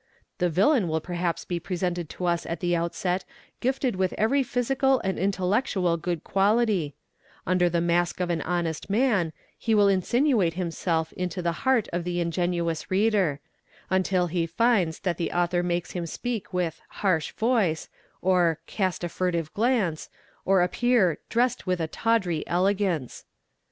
The villain will perhaps be pre sented to us at the outset gifted with every physical and intellectual good quality; under the mask of an honest man, he will insinuate himself into the heart of the ingenuous reader, until he finds that the author makes him speak with "harsh" voice, or 'cast a furtive glance," or appear "dressed with a tawdry elegance.